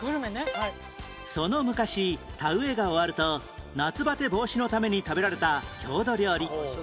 その昔田植えが終わると夏バテ防止のために食べられた郷土料理